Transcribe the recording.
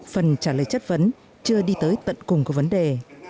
phần trả lời chất vấn chưa đi tới tận cùng có vấn đề